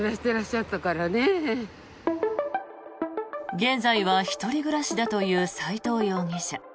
現在は１人暮らしだという斎藤容疑者。